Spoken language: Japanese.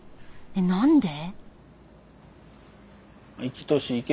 何で？